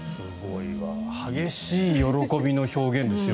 激しい喜びの表現ですよ